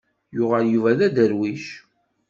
Yuɣal Yuba d aderwic.